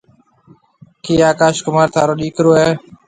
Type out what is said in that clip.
ڪِي آڪاش ڪمار ٿارو ڏيڪرو هيَ؟